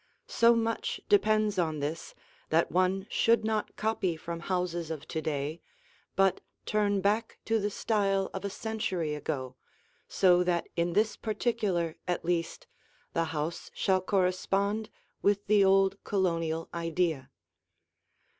So much depends on this that one should not copy from houses of to day but turn back to the style of a century ago, so that in this particular, at least, the house shall correspond with the old Colonial idea.